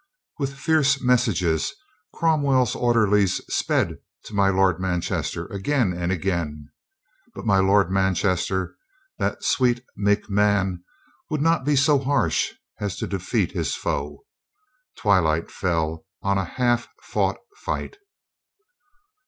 With fierce messages Cromwell's orderlies sped to my Lord Manchester again and again. But my Lord Manchester, that "sweet, meek man," would not be so harsh as to de feat his foe. Twilight fell on a half fought fight.